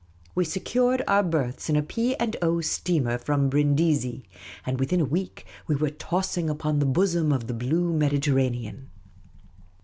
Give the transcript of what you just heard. We secured our berths in a P. and O. steatner from Brindisi ; and within a week we were tossing upon the bosom of the blue Mediterranean.